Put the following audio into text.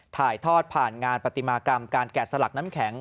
ถ่ายทอดผ่านงานปฏิมากรรมการแกะสลักน้ำแข็ง